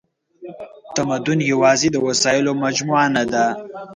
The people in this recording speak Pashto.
تمدن یواځې د وسایلو مجموعه نهده.